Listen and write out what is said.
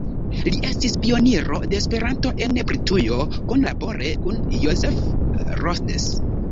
Li estis pioniro de Esperanto en Britujo, kunlabore kun Joseph Rhodes.